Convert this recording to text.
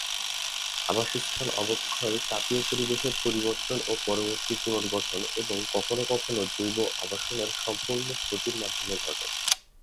আবাসস্থল অবক্ষয় তাপীয় পরিবেশের পরিবর্তন ও পরবর্তী পুনর্গঠন এবং কখনও কখনও জৈব আবাসের সম্পূর্ণ ক্ষতির মাধ্যমে ঘটে।